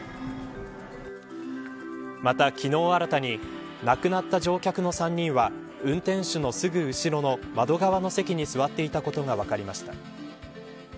また、昨日新たに亡くなった乗客の３人は運転手のすぐ後ろの窓側の席に座っていたことが分かりました。